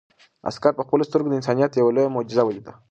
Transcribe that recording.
عسکر په خپلو سترګو د انسانیت یو لویه معجزه ولیده.